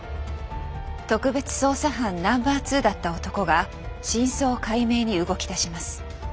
特別捜査班ナンバーツーだった男が真相解明に動きだします。